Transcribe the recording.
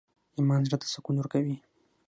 ایمان زړه ته سکون ورکوي